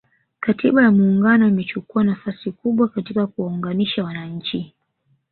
Katiba ya Muungano imechukuwa nafasi kubwa katika kuwaunganisha wananchi